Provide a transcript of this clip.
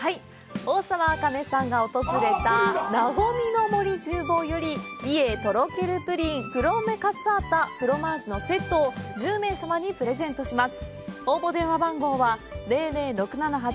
大沢あかねさんが訪れたなごみの森厨房より、びえいとろけるプリン、黒豆カッサータフロマージュのセットを１０名様にプレゼントします。